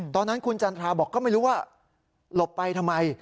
ตอนนั้นคุณจันทราบอกก็ไม่รู้ว่าหลบไปทำไม